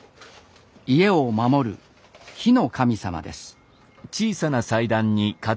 家を守る火の神様です。